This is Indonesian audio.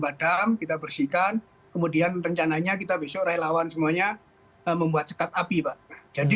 padam kita bersihkan kemudian rencananya kita besok relawan semuanya membuat sekat api pak jadi